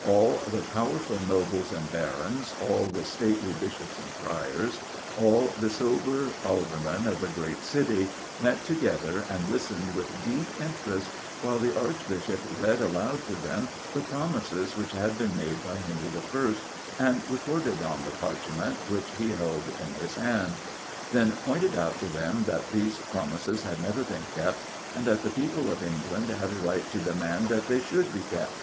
All the powerful Nobles and Barons, all the stately Bishops and Priors, all the sober Aldermen of the great city, met together and listened with deep interest while the Archbishop read aloud to them the promises which had been made by Henry I., and recorded on the parchment which he held in his hand; then pointed out to them that these promises had never been kept, and that the people of England had a right to demand that they should be kept.